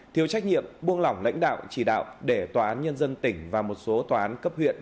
thiếu trách nhiệm buông lỏng lãnh đạo chỉ đạo để tòa án nhân dân tỉnh và một số tòa án cấp huyện